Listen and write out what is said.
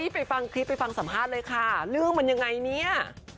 ไปฟังคลิปไปฟังสัมภาษณ์เลยค่ะเรื่องมันยังไงเนี่ย